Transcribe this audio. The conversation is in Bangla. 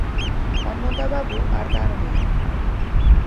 অন্নদাবাবু আর তাঁর মেয়ে।